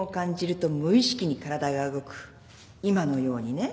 今のようにね。